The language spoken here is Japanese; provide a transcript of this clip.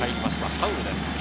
ファウルです。